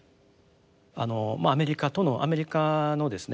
あのアメリカとのアメリカのですね